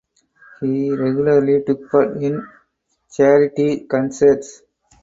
He regularly took part in charity concerts.